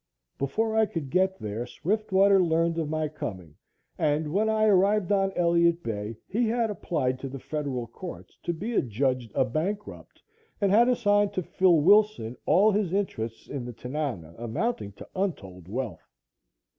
Before I could get there, Swiftwater learned of my coming, and when I arrived on Elliott Bay, he had applied to the Federal Courts to be adjudged a bankrupt and had assigned to Phil Wilson all his interests in the Tanana, amounting to untold wealth.